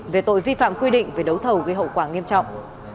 về tội vi phạm quy định về đấu thầu gây hậu quả nghiêm trọng